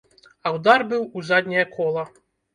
А ўдар быў у задняе кола.